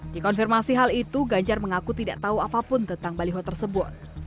di konfirmasi hal itu ganjar mengaku tidak tahu apapun tentang baliho tersebut